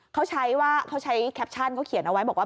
เขาใช้แคปชั่นเขาเขียนเอาไว้บอกว่า